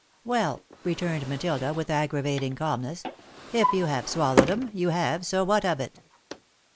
"Well," returned Matilda, with aggravating calmness, "if you have swallowed 'em, you have, so what of it?"